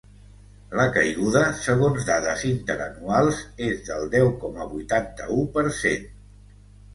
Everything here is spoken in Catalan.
La caiguda, segons dades interanuals, és del deu coma vuitanta-u per cent.